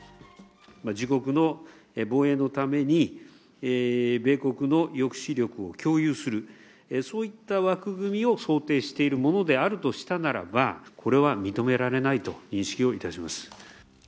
自国の防衛のために米国の抑止力を共有する、そういった枠組みを想定しているものであるならばこれは認められないと認識をいたします。